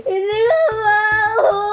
indri gak mau